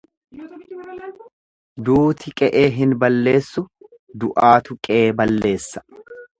Duuti qe'ee hin balleessu du'aatu qee balleessa.